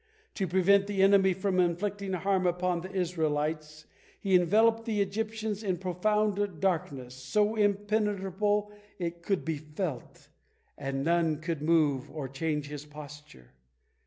To prevent the enemy from inflicting harm upon the Israelites, He enveloped the Egyptians in profound darkness, so impenetrable it could be felt, and none could move or change his posture.